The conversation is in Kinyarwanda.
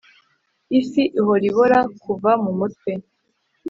ifi ihora ibora kuva mumutwe